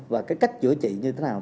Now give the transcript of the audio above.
và cái cách chữa trị như thế nào